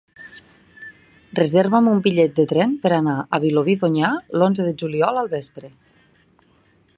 Reserva'm un bitllet de tren per anar a Vilobí d'Onyar l'onze de juliol al vespre.